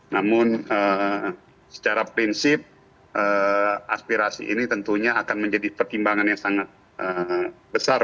namun secara prinsip aspirasi ini tentunya akan menjadi pertimbangan yang sangat besar